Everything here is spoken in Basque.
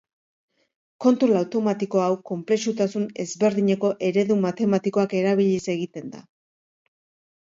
Kontrol automatiko hau konplexutasun ezberdineko eredu matematikoak erabiliz egiten da.